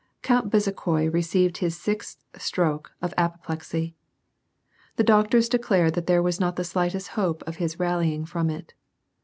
Count Bezukhoi received his sixth stroke of apoplexy. The doctors declared that there was not the slightest hope of his rallying from it.